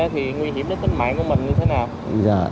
thì nguy hiểm đến tính máy của mình như thế nào